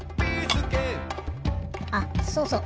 あそうそう。